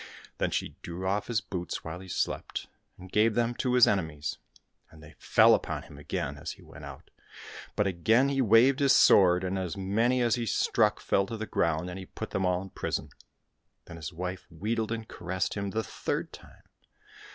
Then she drew off his boots while he slept, and gave them to his enemies. And they fell upon him again as he went out, but again he waved his sword, and as many as he struck fell to the ground, and he put them all in prison. Then his wife wheedled and caressed him the third time.